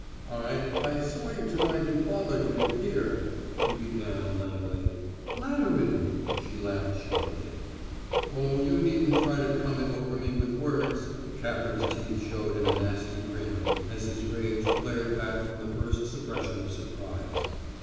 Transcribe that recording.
"I I saw you to night and followed you here," he began lamely. "Flattering!" She laughed shortly. "Oh, you needn't try to come it over me with words!" Capper's teeth showed in a nasty grin as his rage flared back from the first suppression of surprise.